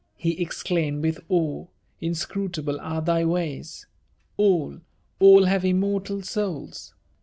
he exclaimed with awe, " inscrutable are thy ways! All, all have immortal souls